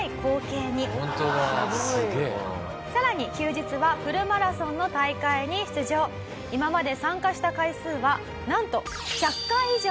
「さらに休日はフルマラソンの大会に出場」「今まで参加した回数はなんと１００回以上！」